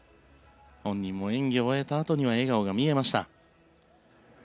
本人も演技を終えたあとは笑顔が見えました。